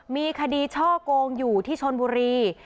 มีคดีช่อกงอยู่ที่ชนบุรี